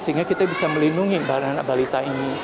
sehingga kita bisa melindungi anak anak balita ini